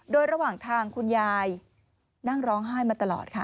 โดยระหว่างทางคุณยายนั่งร้องไห้มาตลอดค่ะ